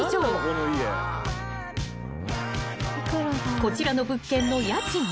［こちらの物件の］